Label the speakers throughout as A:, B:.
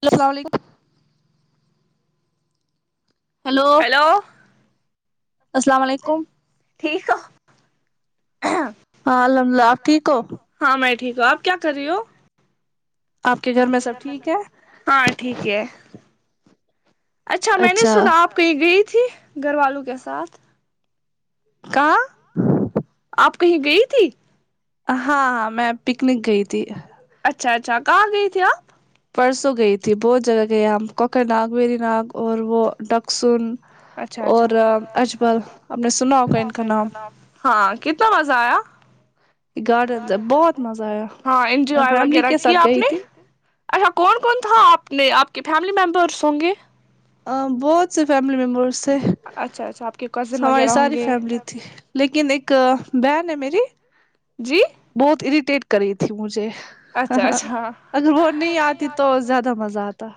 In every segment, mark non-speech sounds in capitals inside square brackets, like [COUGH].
A: hello اسلام علیکم
B: hello
A: السلام علیکم
B: ٹھیک ہو
A: ہاں الحمد اللہ آپ ٹھیک ہو
B: ہاں میں ٹھیک ہوں آپ کیا کر رہی ہو آپ کے گھر میں سب ٹھیک ہے ہاں ٹھیک ہے اچھا میں نے سنا آپ کہیں گئی تھی گھر والوں کے ساتھ
A: کہا
B: آپ کہیں گئی تھی
A: ہاں میں پکنک گئی تھی
B: اچھا اچھا کہاں گئی تھی آپ
A: پرسوں گئی تھی بہت جگہ گئے ہم کوک ناگ میری ناگ اور وہ ڈکسن
B: اچھا
A: اور
B: اچھا
A: اجبل آپ نے سنا ہوگا ان کا نام
B: ہاں کتنا مزہ آیا
A: گارڈن تو بہت مزہ آیا
B: ہاں
A: میں
B: انجوائے
A: فیملی
B: وغیرہ
A: کے ساتھ
B: کیا آپ
A: گئی
B: نے
A: تھی
B: اچھا کون کون تھا آپ نے آپ کے فیملی ممبرس ہوں گے
A: بہت سے فیملی ممبرس تھے
B: اچھا اچھا آپ کے کزن
A: ہماری
B: وغیرہ ہوں
A: ساری
B: گے
A: فیملی لیکن ایک بہن ہے میری
B: جی
A: بہت اریٹیٹ کر رہی تھی مجھے
B: اچھا
A: ہاں
B: اچھا
A: اگر وہ نہیں آتی تو زیادہ مزہ آتا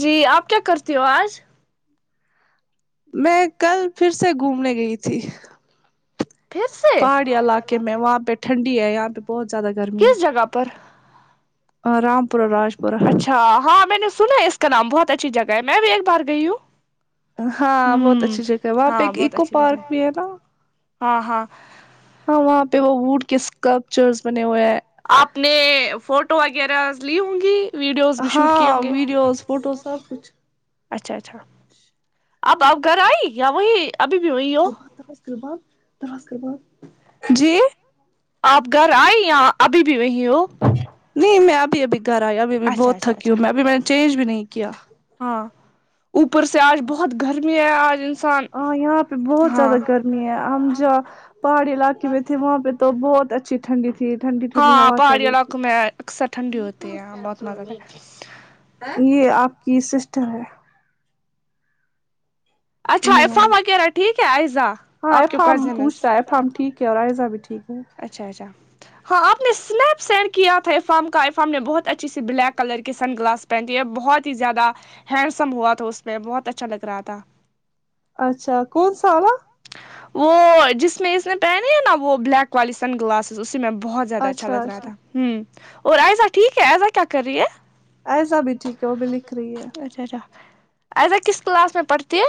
B: جی آپ کیا کرتی ہو آج
A: میں کل پھر سے گھومنے گئی تھی
B: پھر سے
A: پہاڑی علاقے میں وہاں پہ ٹھنڈی ہے یہاں پہ بہت زیادہ گر
B: کس جگہ پر
A: رامپور راش
B: اچھا ہاں میں نے سنا ہے اس کا نام بہت اچھی جگہ ہے میں بھی ایک بار گئی ہوں
A: ہاں بہت
B: ہوں
A: اچھی جگہ ہے وہاں پہ
B: ہاں
A: ایک
B: بہت
A: اکو
B: اچھی جگہ
A: پارک بھی ہے نا
B: ہاں ہاں
A: ہاں وہاں پہ وہ ووڈ کے اسکلپچرس بنے ہوئے ہیں
B: آپ نے فوٹو وغیرہز لی ہوں گی ویڈیوز بھی شوٹ کیے
A: ہاں
B: ہوں گے
A: ویڈیوز فوٹوز سب کچھ
B: اچھا اچھا اب آپ گھر آئی یا وہی ابھی بھی وہی ہو
A: [UNINTELLIGIBLE] جی
B: آپ گھر آئے یا ابھی بھی وہی ہو
A: نہیں میں ابھی ابھی گھر آئی ابھی ابھی
B: اچھا
A: بہت
B: اچھا
A: تھکی
B: اچھا
A: ہوں میں ابھی میں نے چینج بھی نہیں کیا
B: ہاں اوپر سے آج بہت گرمی ہے آج انسان
A: ہاں یہاں پہ بہت زیادہ
B: ہاں
A: گرم ہم جہاں پہاڑی علاقے میں تھے وہاں پہ تو بہت اچھی ٹھنڈی تھی ٹھنڈی ٹھنڈی
B: ہاں
A: ہوا چل
B: پہاڑی
A: رہی
B: علاقوں میں اکثر ٹھنڈی ہوتی ہے بہت مزہ آتا
A: [UNINTELLIGIBLE]
B: ہے
A: یہ آپ کی سسٹر ہے
B: اچھا عفام
A: عمرانی
B: وغیرہ ٹھیک ہے آیزا
A: ہاں ایفام پوچھ رہا ہے ایفام ٹھیک ہے اور آئزہ بھی ٹھیک ہے
B: اچھا اچھا ہاں آپ نےاسنیپ سینڈ کیا تھا ایفام کا ایفام نے بہت ا چھ سے بلیک کلر کے سن گلاس پہنے بہت ہی زیادہ ہینڈسم ہوا تھا اس میں بہت اچھا لگ رہا تھا
A: اچھا کون سا والا
B: وہ جس میں اس نے پہنی ہے نا وہ بلیک کالی سن گلاسز اسی میں بہت زیادہ اچھا لگ رہا تھا ہوں اور ایزا ٹھیک ہے ایزا کیا کر رہی ہے
A: ایزا بھی ٹھیک ہے وہ بھی لکھ رہی ہے
B: اچا چا ایزا کس کلاس میں پڑتی ہے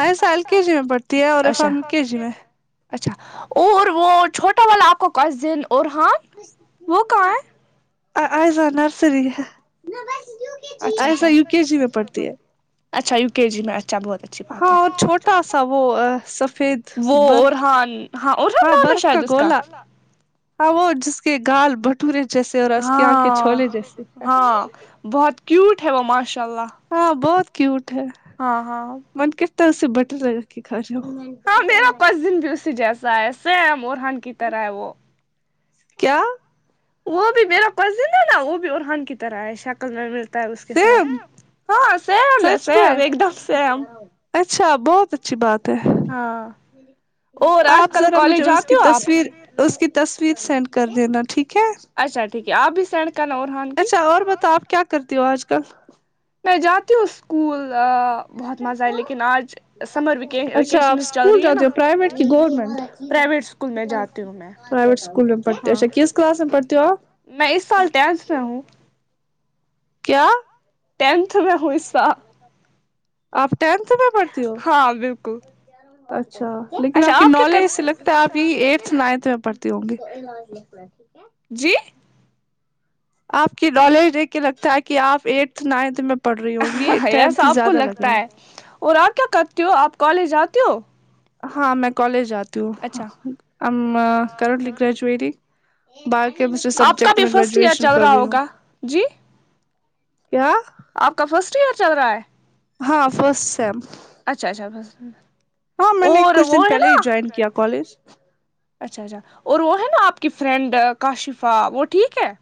A: ایزا ایل کے جی میں پڑتی ہے اور ایفہاں یو کے جی میں
B: اچھا اور وہ چھوٹا والا آپ کو کزن اورحان وہ کہاں ہے
A: ایزا نرسری ہے
B: اچھا اچھا
A: ایزا یو کے جی میں پڑھتی ہے
B: اچھا یو کے جی میں اچھا بہت اچھی بات
A: ہاں
B: ہے
A: اور چھوٹا سا وہ سفید
B: وہ
A: برف
B: ارحان ہاں ارحان نام ہے
A: برف کا
B: شاید اس کا
A: گولا ہ وہ جس کے گال بٹ دورے جیسے اور اس کی آنکھیں
B: ہاں
A: چھوولے جیس
B: ہاں بہت کیوٹ ہے وہ ماشاء اللہ
A: ہاں بہت کیوٹ ہے
B: ہاں ہاں ہاں
A: من کرتا اسے بٹر لگا کے کھاجاو
B: ہاں میرا کزن بھی اسی جیسا ہے سیم ارہان کی طرح ہے وہ
A: کیا
B: وہ بھی میرا کزن ہے نا وہ بھی ارحان کی طرح ہے شکل میں ملتا ہے اس کے ساتھ
A: سیم
B: ہاں سیم ہے
A: سچ میں
B: سیم ایک دم سیم
A: اچھا بہت اچھی بات ہے
B: ہاں اور آج
A: آپ
B: کل
A: ذرا
B: کالج
A: مجھے اس
B: جاتی
A: کی
B: ہو آپ
A: تصویر اس کی تصویر سینڈ کر دینا ٹھیک ہے
B: اچھا ٹھیک ہے آپ بھی سینڈ کرنا اورہان
A: اچھا اور بتاؤ آپ کیا کرتی ہو آج کل
B: میں جاتی ہوں اسکول بہت مزہ آئے لیکن آج سمر
A: اچھا آپ
B: ویکیشن چل
A: اسکول
B: رہی ہے نا
A: جاتے ہو پرائیویٹ کی
B: پرائیویٹس اسکول میں جاتی ہوں میں
A: پرائیوٹس اسکول میں پڑتی ہو
B: ہاں
A: اچھا کس کلاس میں پڑتی ہو اپ
B: میں اس سال ڈینس میں ہوں
A: کیا
B: ٹینتھ میں ہوں اس سال
A: اپ ٹینھ میںں پڑ
B: ہاں بالکل
A: اچھا لیکن آپ
B: اچھا
A: کی
B: کیا کر
A: نالج سے لگتا ہے آپ یہ ای س نینتھ میں پڑھتی ہوں گی
B: جی
A: آپ کی نالج دیکھ کے لگتا ہے کہ آپ ایٹتھ نائنتھ میں پڑھ رہی ہوں گی
B: یس
A: ٹینتھ
B: آپ کو
A: زیادہ لگ
B: لگتا
A: رہا ہے
B: اور آپ کیا کرتی ہو آپ کالج جاتی ہو
A: ہاں میں کالج جاتتی ہوں
B: اچھا
A: ام کرلی گریجویٹیڈ باقی کے
B: آپ کا
A: سبجیکٹ
B: بھی
A: میں
B: فرسٹ ایئر
A: گریجویشن
B: چل
A: کر
B: رہا
A: رہی ہوں
B: ہوگا جی
A: کیا
B: آپ کا فرسٹ ایئر چل رہا ہے
A: ہاں فرسٹ سیم
B: اچھا اچھا بس
A: ہاں میں نے
B: اور
A: کچھ
B: وہ
A: دن
B: ہے
A: پہلے
B: نا
A: ہی جوائن کیا کالج
B: اچھا اچھا اور وہ ہے نا آپ کی فرینڈ کاشفہ وہ ٹھیک ہے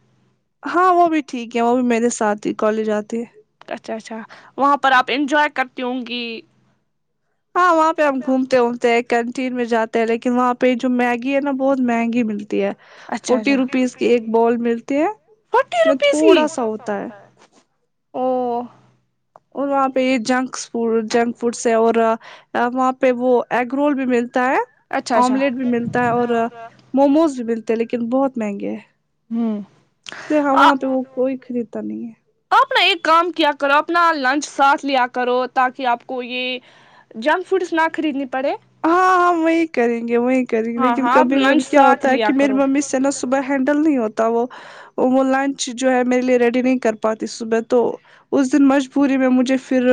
A: ہاں وہ بھی ٹھیک ہے وہ بھی میرے ساتھ ہی کالج آتے ہیں
B: اچھا اچھا وہاں پر آپ انجوائے کرتی ہوں گی
A: ہاں وہاں پہ ہم گھومتے وھومتے ہیں کینٹین میں جاتے ہیں لیکن وہاں پہ جو میگی ہے نا بہت مہنگی ملتی ہے
B: اچھا
A: فورٹی
B: اچھا
A: روپیز کی ایک بول ملتی ہے
B: فورٹی
A: اس میں
B: روپیز کی
A: تھوڑا سا ہوتا ہے
B: او
A: اور وہاں پہ یہ جنگس فو جنگس فوڈس ہے اور وہاں پہ وہ ایگ رول بھی ملتا ہے
B: اچھا اچھا
A: آملیٹ بھی ملتا ہے اور موموز بھی ملتے ہیں لیکن بہت مہنگے ہیں سحواں تو وہ کوئی خریدا نہیں ہے
B: اپنا ایک کام کیا کرو اپنا لنچ ساتھ لیا کرو تاکہ آپ کو یہ جنگس فوڈس نہ خریدنی پڑے
A: ہاں ہاں وہی کریں گے وہی کریں گے
B: ہاں
A: لیکن
B: ہاں آپ
A: کبھی
B: لنچ
A: کبھی کیا
B: ساتھ
A: ہوتا ہے
B: لیا
A: کہ میری
B: کرو
A: ممی سے ن صبح ہینڈل نہیں ہوتا وہ وہ لنچ جو ہے میرے لیے ریڈی نہیں کر پاتی صبح تو اس دن مجبوری میں مجھے پھر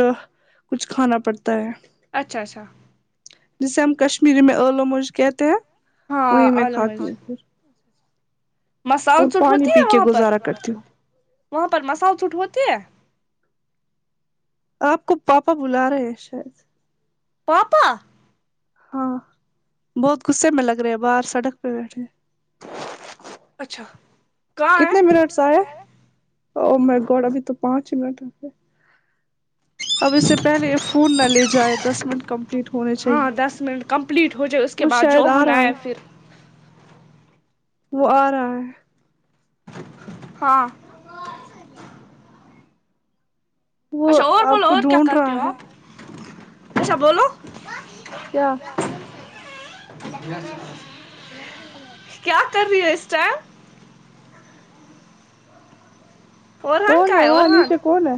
A: کچھ کھانا پڑتا ہے
B: اچھا اچھا
A: جسے ہم کشمیری میں آلو مرج کہتے ہیں وہی میں کھاتی ہوں
B: اچھا اچھا مسال
A: اور
B: چٹ ہوتی
A: پانی
B: ہے
A: پی کے
B: وہاں پر
A: گزارا کرتی ہوں
B: وہاں پر مسال چٹ ہوتی ہے
A: آپ کو پاپا بلا رہے ہیں شاید
B: پاپا
A: ہاں بہت غصے میں لگ رہے باہر سڑک پہ بیٹھے
B: اچھا کہاں
A: کتنے
B: ہے
A: منٹ سے آئے او میں گوڈ ابھی تو پانچ ہی منٹ ہوئے
B: ہ
A: اب اس سے پہلے فون نہ لے جائے دس منٹ کمپلیٹ ہونے چاہیے
B: ہاں دس منٹ کمپلیٹ ہو جائے اس کے
A: وہ
B: بعد جو
A: شاید آ
B: ہونا
A: رہا ہے
B: پھر
A: وہ آ رہا ہے
B: ہاں
A: وہ
B: اچھا اور
A: آپ
B: بولو
A: کو
B: اور کیا
A: ڈھونڈ
B: کرتے
A: رہا
B: ہو
A: ہے
B: آپ اچھا بولو
A: کیا
B: کیا کر رہی ہو اس ٹائم اورحان
A: کون
B: کہا ہے
A: وہاں
B: اورحان
A: نیچے کون ہے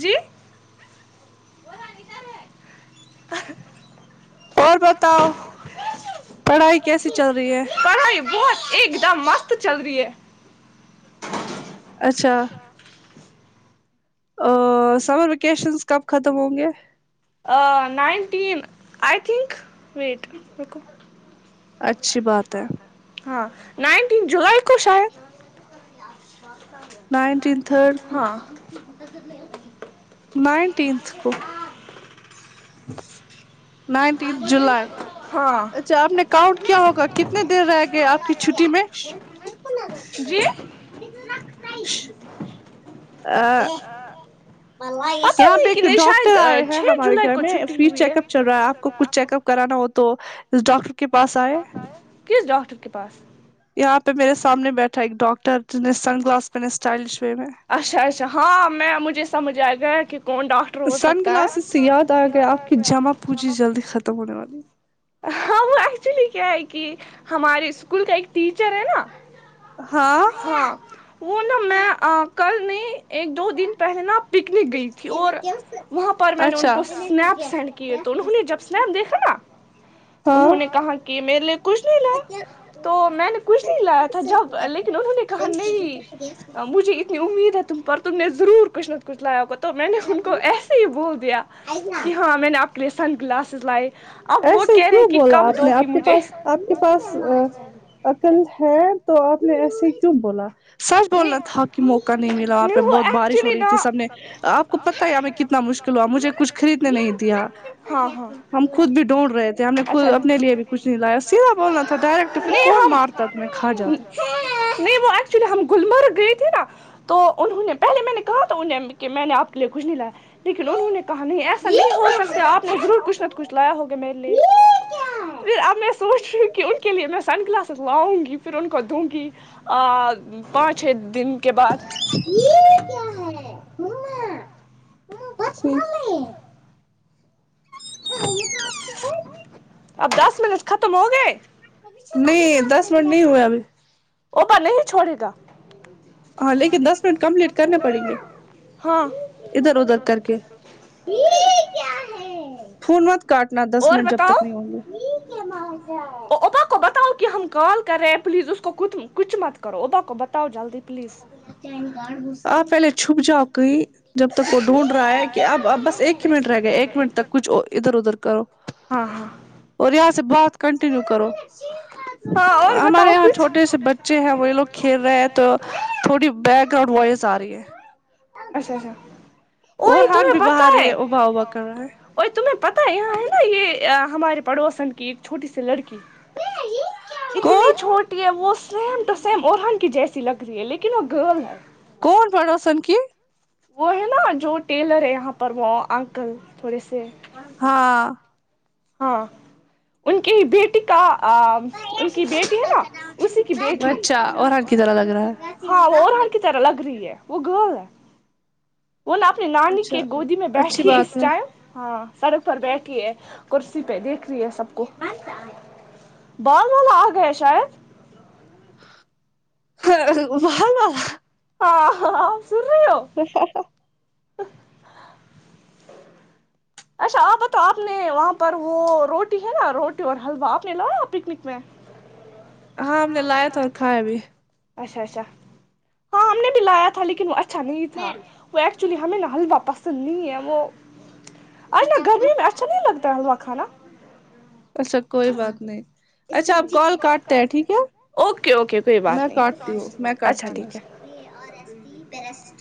B: جی اورحان ادھر ہے
A: اور بتاؤ پڑھائی کیسی چل رہی ہے
B: پڑھائی بہت ایک دم مست چل رہی ہے
A: اچھا ا سمر ویکیشنس کب ختم ہوں گے
B: آ نائنٹین آئی تھنک ویٹ رکو
A: اچھی بات ہے
B: ہاں نائنٹین جولائی کو شاید
A: نائنٹین تھرڈ کو
B: ہاں
A: نائنٹینتھ کو نائنٹتھ جولائی
B: ہاں
A: اچھا آپ نے کاؤنٹ کیا ہوگا کتنے دیر رہ گئے آپ کی چھٹی میں
B: جی
A: آ
B: پتہ
A: یہاں پہ
B: نہیں کہ
A: ایک
B: نہیں
A: ڈاکٹر
B: شاید
A: آئے ہیں
B: چھ
A: ہمارے
B: جولائی
A: گھر
B: کو
A: میں
B: چھٹی
A: فری
B: ہوئی
A: چیک اپ چل رہا ہے آپ کو کچھ چیک اپ کرانا ہو تو ڈاکٹر کے پاس آئے
B: کس ڈاکٹر کے پاس
A: یہاں پہ میرے سامنے بیٹھا ہے ایک ڈاکٹر جس نے سن گلاس پہنے اسٹائلش وے میں
B: اچھا اچھا ہاں میں مجھے سمجھ آیا گیا کہ کون ڈاکٹر ہو
A: سن
B: سکتا ہے
A: گلاسز سے یاد آ آپ کی جمع پوچی جا ہونے والی
B: ہاں وہ ایکچولی کیا ہے کہ ہمارے اسکول کا ایک ٹیچر ہے نا
A: ہاں
B: ہاں وہ نا میں ا کل نہیں ایک دو دن پہلے ن میں نے ان
A: اچھا
B: کو اسنیپ سینڈ کیے تو انہوں نے جب اسنیپ دیکھا نا انہوں
A: ہاں
B: نے کہا کہ میرے لیے کچھ نہیں لا تو میں نے کچھ نہیں لایا تھا جب لیکن انہوں نے کہا نہیں مجھے اتنی امید ہے تم پر تم نے ضرور کچھ نہ کچھ لایا ہوگا تو میں نے ان کو ایسے ہی بول دیا کہ ہاں میں نے آپ سن گلاسس لاۓ
A: ایسے ہی کیوں بولا آپ نے آپ کے پاس آپ کے پاس عقل ہے تو آپ نے ایسے کیوں بولا سچ
B: نہیں
A: بولنا تھا کہ موقع نہیں ملا وہاں پہ
B: وہ
A: بہت بارش ہو
B: ایکچولی
A: رہی
B: نا
A: تھی سب نے آپ کو پتا ہے یہیں کتنا نا مشکل ہوا مجھے کچھ خریدنے نہیں دیا
B: ہاں
A: ہم خود بھی
B: ہاں
A: ڈھونڈ رہے تھے ہم نے خود اپنے لیے بھی کچھ نہیں لایا سیدھا بولنا تھا ڈائریکٹ پھر کون مار تک میں کھا جاتا
B: نہیں وہ ایکچولی ہم گلمرگ گئی تھی نا تو انہوں نے پہلے میں نے کہا تھا انہ کہ میں نے آپ کے لیے کچھ نہیں لایا لیکن انہوں نے کہا نہیں ایسا نہیں ہو سکتا آپ نے ضرور کچھ نہ کچھ لایا ہوگا میرے لیے پھر اب میں سوچ رہی ہوں کہ ان کے لیے میں سن گلاس لاؤں گی پھر ان کو دوں گی ا پانچ چھ دن کے بعد
A: یہ کیا ہے بچپوں میں
B: اب دس منٹ ختم ہو گئے
A: نہیں دس منٹ نہیں ہوئے ابھی
B: وہ پر نہیں چھوڑے گا
A: ہاں لیکن دس منٹ کمپلیٹ کرنے پڑیں گے
B: ہاں
A: ادھر ادھر کر کے فون مت کاٹنا دس
B: اور
A: منٹ جب
B: بتاؤ
A: تک نہیں ہوں گی
B: اوبا بتاؤ کہ ہم کال کر رہے ہیں پلیز اس کو کچھ مت کرو ادا کو بتاؤ جلدی پلیز
A: آپ پہلے چھپ جاؤ کوئی جب تک وہ ڈھونڈ رہا ہے کہ اب اب بس ایک ہی منٹ رہ گیا ایک منٹ تک کچھ ادھر ادھر کرو
B: ہاں ہاں
A: اور یہاں سے بات کنٹنیو کرو
B: ہاں اور
A: ہمارے
B: بتاؤ
A: یہاں
B: کچھ
A: چھوٹے سے بچے ہیں وہ یہ لوگ کھیل رہے ہیں تو تھوڑی بیک گراؤنڈ وائز آ رہی ہے
B: اچھا اچھا
A: اور
B: اوئی
A: ہ
B: تمہیں
A: بھی
B: پتہ
A: باہر ہے ابا ہوبا کر رہا ہے
B: اور تمہیں پتا ہے یہاں ہے نا یہ ہمارے پڑوسن کی ایک چھوٹی سی لڑکی اتنی
A: کون
B: چھوٹی ہے وہ سیم ٹو سیم ارہان کی جیسی لگ رہی ہے لیکن وہ گرل ہے
A: کون پڑوسن کی
B: وہ ہے نا جو ٹیلر ہے یہاں پر وہ انکل تھوڑے سے
A: ہاں
B: ہاں ان کی بیٹی کا ان کی بیٹی ہے نا اسی کی بیٹی اچھا ارہان کی طرح لگ رہا ہے ہاں وہ ارہان کی طرہ لگ رہی ہے وہ گرل ہے وہ نا اپنی نانی
A: اچھا
B: کے گودی میں
A: اچھی
B: بیٹھی ہے
A: بات
B: اس ٹائم ہاں سڑک پر بیٹھی ہے بیٹھی دیکھ رہی ہے سب کو بد والا آ گیا شاید
A: وہاں نہ
B: سن رہی ہو
A: ا ہا آ ہا ہا
B: [INAUDIBLE] اچھا آپ بتا آپ نے وہاں پر وہ روٹی ہے نا روٹی اور حلوہ آپ نے لایا آپ پکنک میں [INAUDIBLE]
A: ہاں ہم نے لایا تھا اور کھایا بھی
B: اچھا اچھا ہاں ہم نے بھی لایا تھا لیکن وہ اچھا نہیں تھا وہ ایکچولی ہمیں نہ حلوا پسند نہیں ہے وہ اچا گرمی میں ا چھا نی لگتا حلوہ کھانا
A: اچھا کوئی بات نہیں
B: جی اچھا اب کال کاٹتے ہے ٹھیک ہے اوکے اوکے کوئی بات نہیں اچھا ٹھیک ہے
A: یہ اور ایسی پیرسٹ